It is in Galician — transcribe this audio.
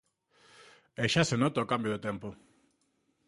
E xa se nota o cambio de tempo.